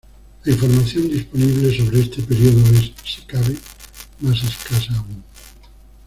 La información disponible sobre este período es, si cabe, más escasa aún.